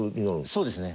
そうですね。